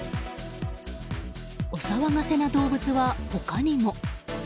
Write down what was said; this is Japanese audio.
お騒がせな動物は他にも。